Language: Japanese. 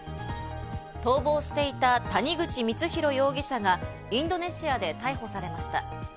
逃亡していた谷口光弘容疑者がインドネシアで逮捕されました。